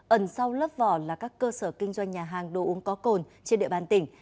ẩn sau lớp vỏ là các cơ sở kinh doanh nhà hàng đồ uống có cồn trên địa bàn tỉnh